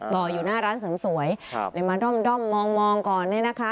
รออยู่หน้าร้านเสริมสวยมาด้อมมองก่อนเนี่ยนะคะ